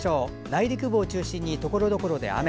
内陸部を中心にところどころで雨。